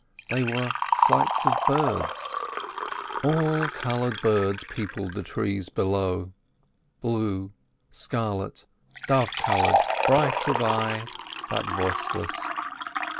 They were flights of birds. All coloured birds peopled the trees below—blue, scarlet, dove coloured, bright of eye, but voiceless.